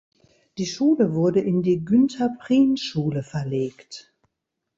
Die Schule wurde in die "Günther-Prien-Schule" verlegt.